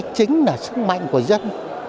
chính là sức mạnh của dân